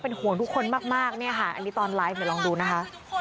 ห่วงทุกคนมากเนี่ยค่ะอันนี้ตอนไลฟ์เดี๋ยวลองดูนะคะ